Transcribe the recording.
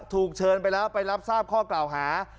ถูกเชิญไปแล้วไปรับทราบข้อกล่าวหา